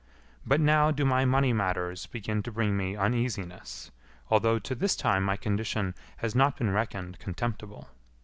But now do my money matters begin to bring me uneasiness, although to this time my condition has not been reckoned contemptible.